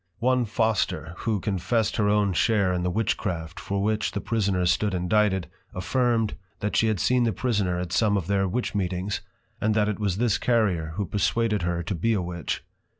One Foster, who confessed her own share in the Witchcraft for which the Prisoner stood indicted, affirm'd, that she had seen the prisoner at some of their Witch meetings, and that it was this Carrier, who perswaded her to be a Witch.